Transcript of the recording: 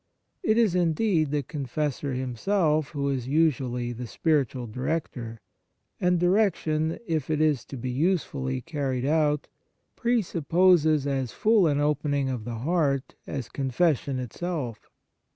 It is, indeed, the confessor himself who is usually the spiritual director ; and direction, if it is to be usefully carried out, presupposes as full an opening of the heart as confession itself.